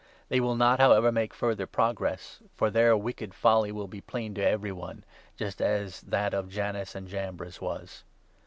They will not, however, make further progress ; for 9 their wicked folly will be plain to every one, just as that of Jannes and Jambres was.